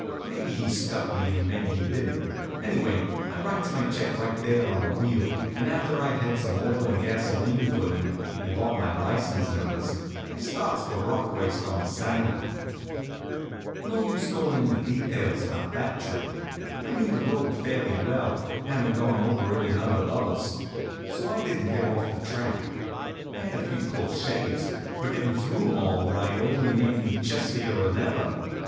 Maybe he stuck me, and maybe he didn t. Anyway, I writes my check right there on the wheel, and after I d had some oil and gasolene put in her, and bought my license numbers, I starts for Rockhurst on the Sound. HONK, HONK! No use goin into details about that trip. I knew the road fairly well, havin gone over it in other bubbles; so I didn t get off the track. I had a few close shaves ; but gettin through em all right only made me chest ier n ever.